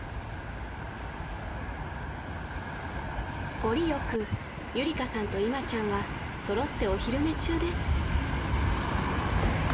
［折よくゆりかさんといまちゃんは揃ってお昼寝中です］